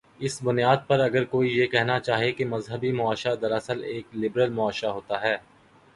اس بنیاد پر اگر کوئی یہ کہنا چاہے کہ مذہبی معاشرہ دراصل ایک لبرل معاشرہ ہوتا ہے۔